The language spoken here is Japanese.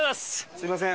すみません。